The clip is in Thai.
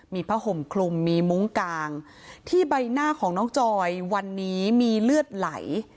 มีผ้าห่มคลุมมีมุ้งกางที่ใบหน้าของน้องจอยวันนี้มีเลือดไหล